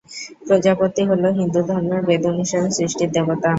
প্রজাপতি হল হিন্দুধর্মের বেদ অনুসারে "সৃষ্টির দেবতা"।